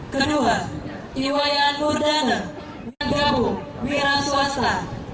kedua iwayat urdana menggabung wira swasta